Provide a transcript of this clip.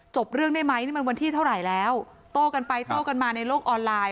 จบเรื่องได้ไหมนี่มันวันที่เท่าไหร่แล้วโต้กันไปโต้กันมาในโลกออนไลน์